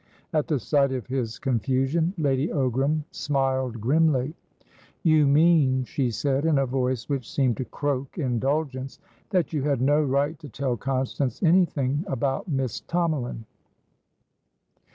At the sight of his confusion, Lady Ogram smiled grimly. "You mean," she said, in a voice which seemed to croak indulgence, "that you had no right to tell Constance anything about Miss Tomalin?"